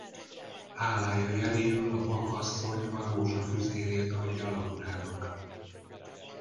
Hálája jeléül a vak asszony a rózsafüzérét adja Laurának.